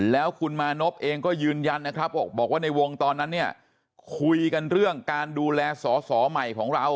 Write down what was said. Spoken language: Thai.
แล้วคุณมานพเองก็ยืนยันนะครับบอกว่าในวงตอนนั้นเนี่ยคุยกันเรื่องการดูแลสอสอใหม่ของเรา